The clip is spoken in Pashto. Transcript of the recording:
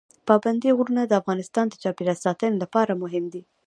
پابندي غرونه د افغانستان د چاپیریال ساتنې لپاره مهم دي.